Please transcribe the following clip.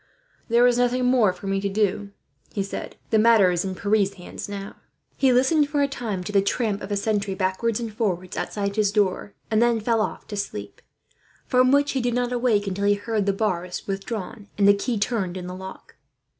"There is nothing more for me to do," he said. "The matter is in Pierre's hands, now." He listened for a time to the tramp of a sentry, backwards and forwards outside his door; and then fell off to sleep, from which he did not awake until he heard the bars withdrawn, and the key turned in the lock.